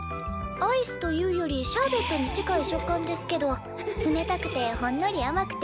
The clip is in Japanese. アイスというよりシャーベットに近い食感ですけど冷たくてほんのりあまくておいしいんですよ。